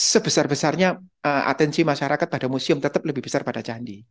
sebesar besarnya atensi masyarakat pada museum tetap lebih besar pada candi